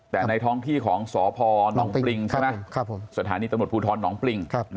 แต่ในท้องที่ของสพนปริงสถานีตำรวจภูทรนปริง